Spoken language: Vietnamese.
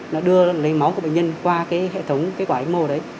nó đưa lấy máu của bệnh nhân qua cái hệ thống cái quả ecmo đấy